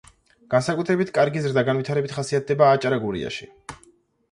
განსაკუთრებით კარგი ზრდა–განვითარებით ხასიათდება აჭარა–გურიაში.